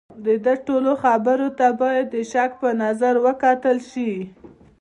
د ده ټولو خبرو ته باید د شک په نظر وکتل شي.